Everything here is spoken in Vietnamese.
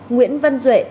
nguyễn văn duệ